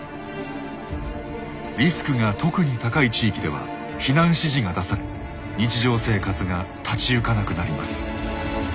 リスクが特に高い地域では避難指示が出され日常生活が立ち行かなくなります。